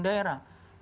kita ingin membangun